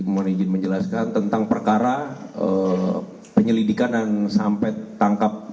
mohon izin menjelaskan tentang perkara penyelidikan dan sampai tangkap